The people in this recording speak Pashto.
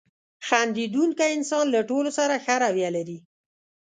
• خندېدونکی انسان له ټولو سره ښه رویه لري.